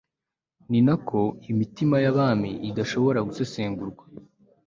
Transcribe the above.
ni na ko imitima y'abami idashobora gusesengurwa